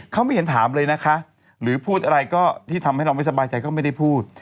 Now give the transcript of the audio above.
เขาไม่เห็นถามเลยนะคะหรือพูดอะไรก็ที่ทำให้เราไม่สบายใจก็ไม่ได้พูด